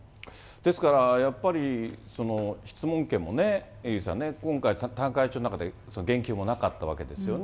ですから、やっぱり質問権もね、エリーさんね、今回、田中会長の中で言及もなかったわけですよね。